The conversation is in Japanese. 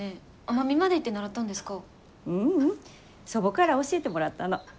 祖母から教えてもらったの。